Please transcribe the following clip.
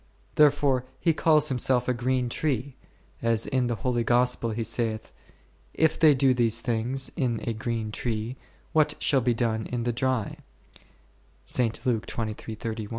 Therefore He calls Himself a green tree, as in the holy Gospel He saith, If they do these things in a green tree, what shall be done in the dry e ?